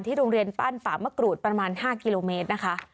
โรงเรียนปั้นป่ามะกรูดประมาณ๕กิโลเมตรนะคะ